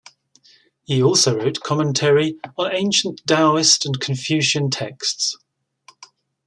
He also wrote commentary on ancient Daoist and Confucian texts.